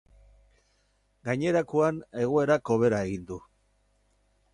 Gainerakoan, egoerak hobera egin du.